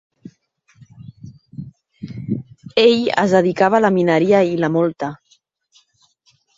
Ell es dedicava a la mineria i la mòlta.